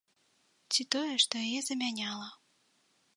Ці тое, што яе замяняла.